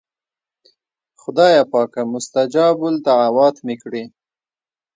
خدایه پاکه مستجاب الدعوات مې کړې.